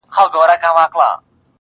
تا خو کړئ زموږ د مړو سپکاوی دی,